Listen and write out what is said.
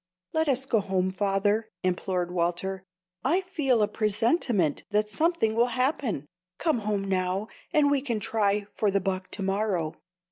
"Let us go home, father," implored Walter. "I feel a presentiment that something will happen. Come home now, and we can try for the buck to morrow."